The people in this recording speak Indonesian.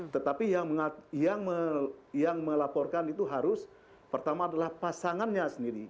tetapi yang melaporkan itu harus pertama adalah pasangannya sendiri